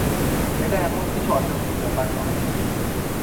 এটা এমন কিছু অস্বাভাবিক ব্যাপার নয়।